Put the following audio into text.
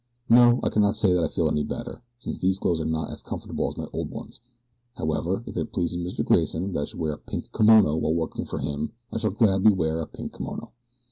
No, I cannot say that I feel any better, since these clothes are not as comfortable as my old ones. However if it pleases Mr. Grayson that I should wear a pink kimono while working for him I shall gladly wear a pink kimono.